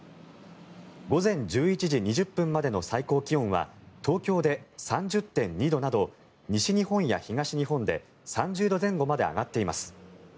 午前１１時２０分までの最高気温は東京で３０．２度など西日本や東日本で３０度前後まで上がっています。